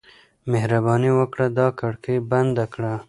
مهرباني وکړه دا کړکۍ بنده کړه.